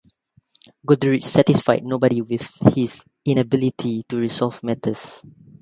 Goderich satisfied nobody with his inability to resolve matters.